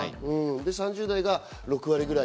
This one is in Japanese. ３０代が６割ぐらい。